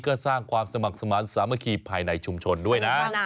ก็สร้างความสมัครสมาธิสามัคคีภายในชุมชนด้วยนะ